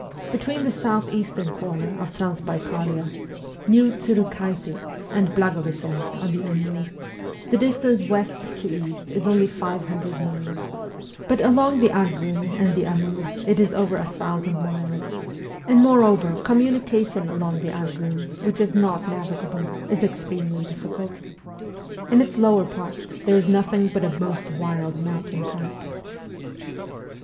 Between the south eastern corner of Transbaikalia (New Tsurukhaitu) and Blagoveschensk on the Amur, the distance west to east is only five hundred miles ; but along the Argun and the Amur it is over a thousand miles, and moreover communication along the Argun, which is not navigable, is extremely difficult. In its lower parts there is nothing but a most wild mountain track.